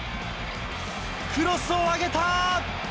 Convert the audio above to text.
クロスを上げた。